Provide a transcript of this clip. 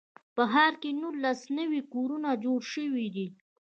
په ښار کې نولس نوي کورونه جوړ شوي دي.